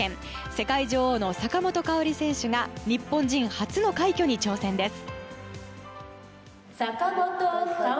世界女王の坂本花織選手が日本人初の快挙に挑戦です。